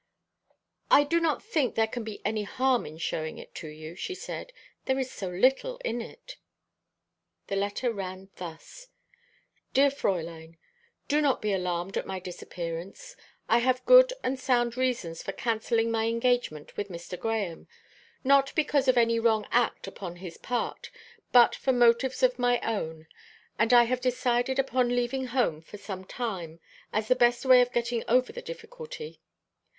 "I do not think there can be any harm in showing it to you," she said. "There is so little in it." The letter ran thus: "Dear Fräulein, Do not be alarmed at my disappearance. I have good and sound reasons for cancelling my engagement with Mr. Grahame not because of any wrong act upon his part, but for motives of my own; and I have decided upon leaving home for some time, as the best way of getting over the difficulty.